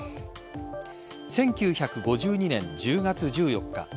１９５２年１０月１４日